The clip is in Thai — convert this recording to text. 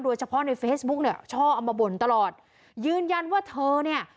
เฉพาะในเฟซบุ๊กเนี่ยช่อเอามาบ่นตลอดยืนยันว่าเธอเนี่ย